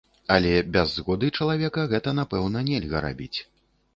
Але без згоды чалавека гэта, напэўна, нельга рабіць.